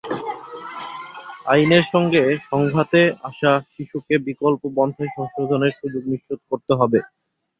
আইনের সঙ্গে সংঘাতে আসা শিশুকে বিকল্প পন্থায় সংশোধনের সুযোগ নিশ্চিত করতে হবে।